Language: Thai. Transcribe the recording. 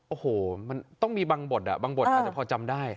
โอ้โหมันต้องมีบางบทบางบทอาจจะพอจำได้